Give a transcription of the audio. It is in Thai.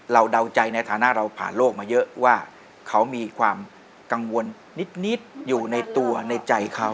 เดาใจในฐานะเราผ่านโลกมาเยอะว่าเขามีความกังวลนิดอยู่ในตัวในใจเขา